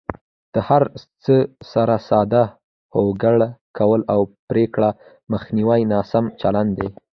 د هر څه سره ساده هوکړه کول او پرېکړو مخنیوی ناسم چلند دی.